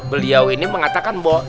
beliau ini mengatakan bahwa